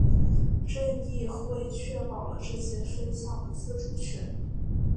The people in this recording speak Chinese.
州议会确保了这些分校的自主权。